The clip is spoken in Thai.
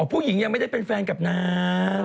ผู้หญิงยังไม่ได้เป็นแฟนกับนาง